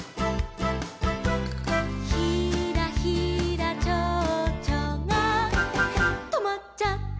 「ひらひらちょうちょがとまっちゃった」